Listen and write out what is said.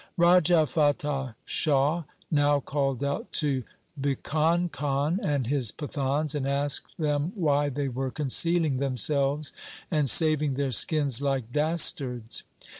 Raja Fatah Shah now called out to Bhikan Khan and his Pathans, and asked them why they were concealing themselves and saving their skins like dastards.